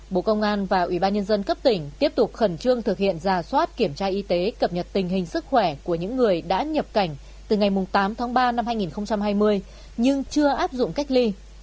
bộ công an và ủy ban nhân dân cấp tỉnh tiếp tục khẩn trương thực hiện giả soát kiểm tra y tế cập nhật tình hình sức khỏe của những người đã nhập cảnh từ ngày tám tháng ba năm hai nghìn hai mươi nhưng chưa áp dụng cách ly